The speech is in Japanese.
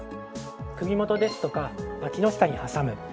首元ですとか脇の下に挟む。